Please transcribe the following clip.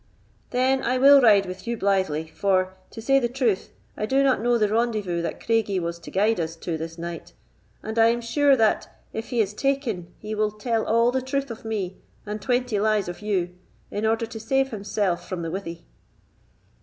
"Then I will ride with you blythely, for, to say the truth, I do not know the rendezvous that Craigie was to guide us to this night; and I am sure that, if he is taken, he will tell all the truth of me, and twenty lies of you, in order to save himself from the withie."